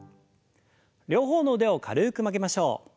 両方の腕を軽く曲げましょう。